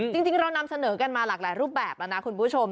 จริงเรานำเสนอกันมาหลากหลายรูปแบบแล้วนะคุณผู้ชม